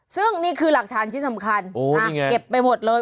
ซึ่งนี่คือหลักฐานที่สำคัญโอ้นี่ไงเก็บไปหมดเลย